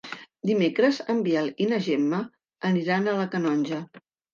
Dimecres en Biel i na Gemma aniran a la Canonja.